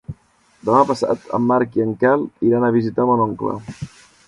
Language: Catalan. Demà passat en Marc i en Quel iran a visitar mon oncle.